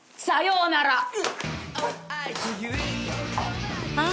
さようなら！